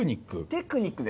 テクニック。。